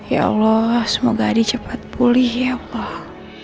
ya allah semoga adi cepat pulih ya pak